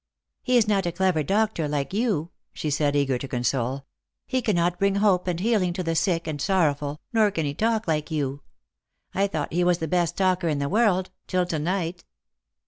"He is not a clever doctor like you," she said, eager to console; "he cannot bring hope and healing to the sick and sorrowful, nor can he talk like you. I thought he was the best talker in the world, till to night."